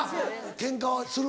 ケンカはする？